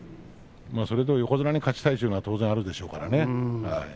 横綱に勝ちたいというのは当然あるでしょうからね。